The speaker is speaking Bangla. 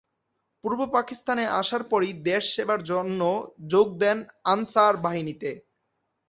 পূর্ব পাকিস্তানে আসার পরই দেশ সেবার জন্য যোগ দেন আনসার বাহিনীতে।